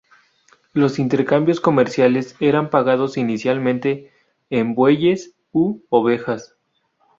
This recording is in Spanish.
Los intercambios comerciales eran pagados inicialmente en bueyes u ovejas.